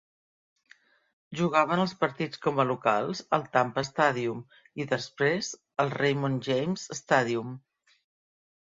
Jugaven els partits com a locals al Tampa Stadium i després al Raymond James Stadium.